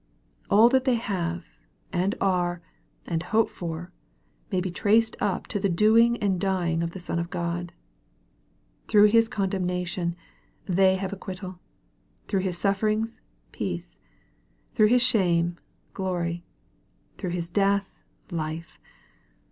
All that they have, and are, and hope for, may be traced up to the doing and dying of the Son of God. Through His condemnation, they have acquittal through His suf ferings, peace through His shame, glory through His death, life.